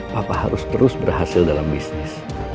papa harus terus berhasil dalam bisnis